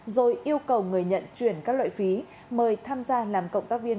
rồi yêu cầu người nhận chuyển các loại phí mời tham gia làm cộng tác viên